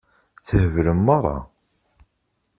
Theblem meṛṛa.